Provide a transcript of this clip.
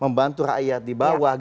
membantu rakyat di bawah